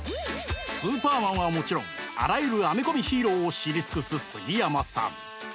「スーパーマン」はもちろんあらゆるアメコミヒーローを知り尽くす杉山さん！